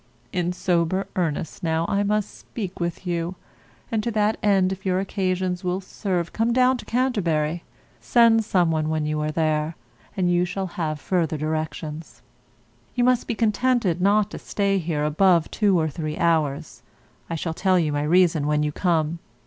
In sober earnest now I must speak with you; and to that end if your occasions will [serve] come down to Canterbury. Send some one when you are there, and you shall have further directions. You must be contented not to stay here above two or three hours. I shall tell you my reason when you come.